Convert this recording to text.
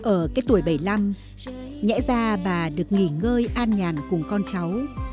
ở cái tuổi bảy mươi năm lẽ ra bà được nghỉ ngơi an nhàn cùng con cháu